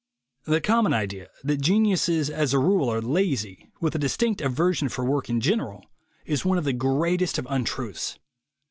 THE WAY TO WILL POWER 147 The common idea that geniuses as a rule are lazy, with a distinct aversion for work in general, is one of the greatest of untruths.